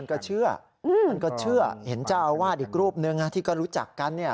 ก็เชื่อเห็นเจ้าอาวาสอีกรูปนึงที่ก็รู้จักกันเนี่ย